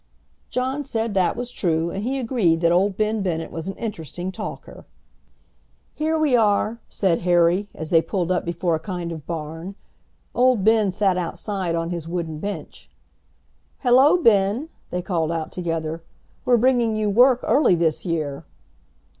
John said that was true, and he agreed that old Ben Bennett was an interesting talker. "Here we are," said Harry, as they pulled up before a kind of barn. Old Ben sat outside on his wooden bench. "Hello, Ben," they called out together, "we're bringing you work early this year."